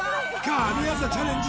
神業チャレンジ